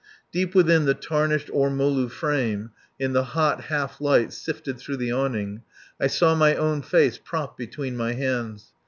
Deep within the tarnished ormulu frame, in the hot half light sifted through the awning, I saw my own face propped between my hands.